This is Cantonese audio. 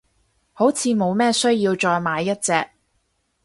好似冇咩需要再買一隻，